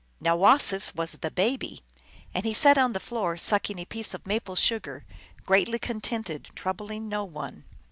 Now Wasis was the Baby. And he sat on the floor sucking a piece of maple sugar, greatly con tented, troubling no one.